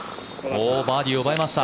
バーディーを奪いました。